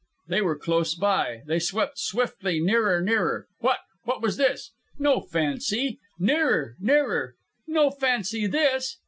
They were close by. They swept swiftly nearer, nearer. What what was this? No fancy. Nearer, nearer. No fancy this.